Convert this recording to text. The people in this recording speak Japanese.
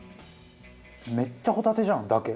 めっちゃホタテじゃん「だけ」。